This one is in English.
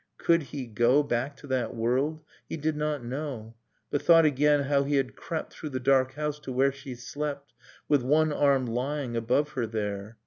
could he go Back to that world? ... He did not know ... But thought again how he had crept Through the dark house to where she slept, With one arm lying above her there.